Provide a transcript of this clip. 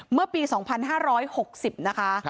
เมื่อปี๒๕๖๐นะคะ